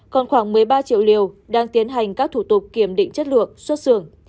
còn khoảng một mươi ba triệu liều đang tiến hành các thủ tục kiểm định chất lượng xuất xưởng